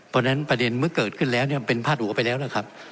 เพราะฉะนั้นประเด็นเมื่อเกิดขึ้นแล้วเนี่ยเป็นพาดหัวไปแล้วนะครับ